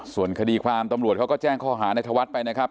ส่วนคดีความตำรวจเขาก็แจ้งข้อหาในธวัฒน์ไปนะครับ